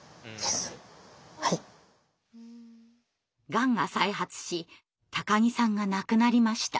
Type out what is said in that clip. がんが再発し木さんが亡くなりました。